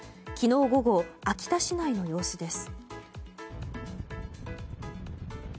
昨日午後、秋田市内の様子です。